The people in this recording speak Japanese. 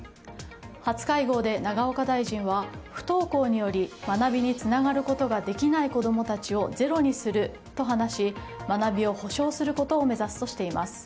初会合で永岡大臣は不登校により学びにつながることができない子供たちをゼロにすると話し学びを保障することを目指すとしています。